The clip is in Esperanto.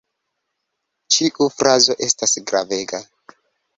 Ĉiu frazo estas gravega.